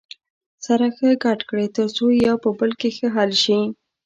سره ښه ګډ کړئ تر څو یو په بل کې ښه حل شي.